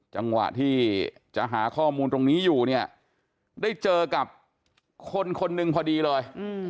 จังหวะที่จะหาข้อมูลตรงนี้อยู่เนี่ยได้เจอกับคนคนหนึ่งพอดีเลย